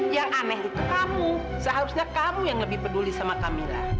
yang aneh itu kamu seharusnya kamu yang lebih peduli sama kami lah